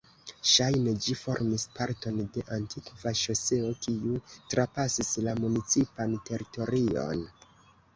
Ŝajne ĝi formis parton de antikva ŝoseo kiu trapasis la municipan teritorion.